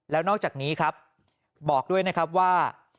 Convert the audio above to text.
แล้วนอกจากนี้ครับบอกด้วยนะครับว่า